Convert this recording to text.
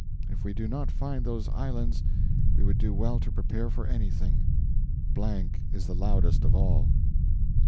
If we do not find those islands we would do well to prepare for anything. .... is the loudest of all.